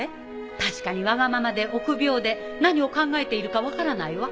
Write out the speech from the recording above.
確かにわがままで臆病で何を考えているか分からないわ。